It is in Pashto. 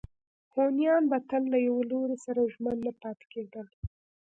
هونیان به تل له یوه لوري سره ژمن نه پاتې کېدل.